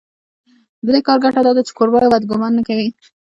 د دې کار ګټه دا ده چې کوربه بد ګومان نه کوي.